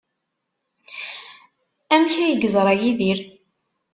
Amek ay yeẓra Yidir?